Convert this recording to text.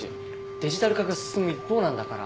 デジタル化が進む一方なんだから。